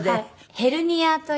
ヘルニアという。